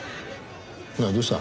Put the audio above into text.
何どうした？